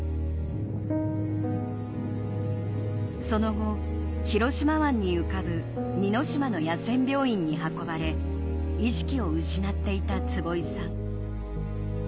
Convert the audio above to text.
その後広島湾に浮かぶ似島の野戦病院に運ばれ意識を失っていた坪井さん